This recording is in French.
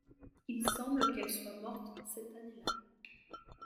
Il semble qu'elle soit morte cette année-là.